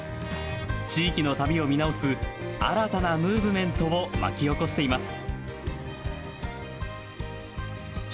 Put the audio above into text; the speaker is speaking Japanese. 地域の旅を見直す新たなムーブメントを巻き起こしています。